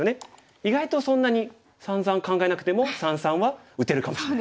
意外とそんなにさんざん考えなくても三々は打てるかもしれない。